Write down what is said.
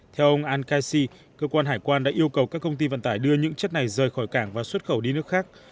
theo ông al khaissi cơ quan hải quan đã yêu cầu các công ty vận tải đưa những chất này rời khỏi cảng và xuất khẩu đi nước khác